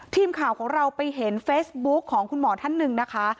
ทีมข่าวของเราไปเห็นเฟซบุ๊คของคุณหมอท่านหนึ่งนะคะ